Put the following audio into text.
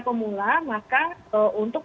pemula maka untuk